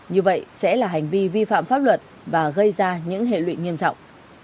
như vậy sẽ là hành vi vi phạm pháp luật và gây ra những hệ lụy nghiêm trọng